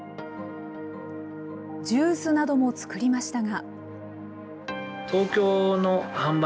ジュースなども作りましたが。